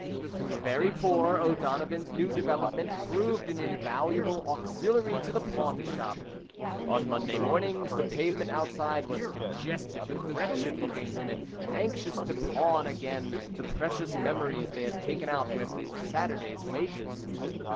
To the very poor, O'Donovan's new development proved an invaluable auxiliary to the pawn shop. On Monday mornings, the pavement outside was congested with wretched looking women anxious to pawn again the precious memories they had taken out with Saturday's wages.